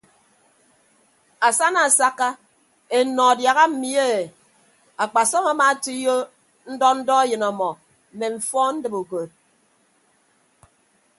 Asana asakka ennọ adiaha mmi e akpasọm amaatoiyo ndọ ndọ eyịn ọmọ mme mfọọn ndibe ukod.